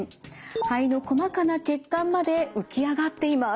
肺の細かな血管まで浮き上がっています。